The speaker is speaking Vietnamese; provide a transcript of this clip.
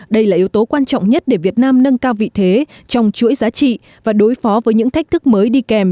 đây là yếu tố quan trọng nhất để việt nam nâng cao vị thế trong chuỗi giá trị và đối phó với những thách thức mới đi kèm